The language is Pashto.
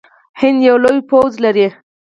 هند یو لوی پوځ لري.